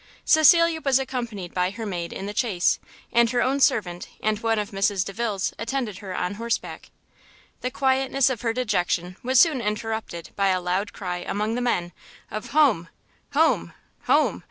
Cecilia was accompanied by her maid in the chaise, and her own servant and one of Mrs Delvile's attended her on horseback. The quietness of her dejection was soon interrupted by a loud cry among the men of "home! home! home!"